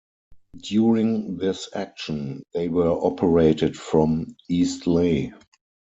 During this action, they were operated from Eastleigh.